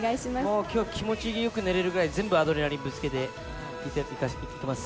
もうきょうは気持ちよく寝れるぐらい、全部アドレナリンぶつけていきます。